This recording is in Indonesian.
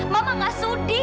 mama gak sudi